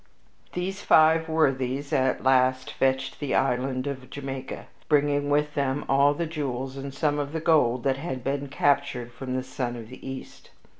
These five worthies at last fetched the island of Jamaica, bringing with them all of the jewels and some of the gold that had been captured from The Sun of the East.